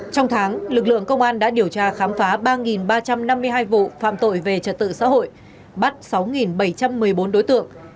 trong tháng lực lượng công an đã điều tra khám phá ba ba trăm năm mươi hai vụ phạm tội về trật tự xã hội bắt sáu bảy trăm một mươi bốn đối tượng